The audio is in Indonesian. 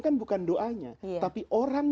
kan bukan doanya tapi orang